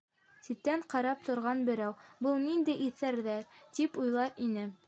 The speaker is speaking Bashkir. Ситтән ҡарап торған берәү: «Был ниндәй иҫәрҙәр?» - тип уйлар ине.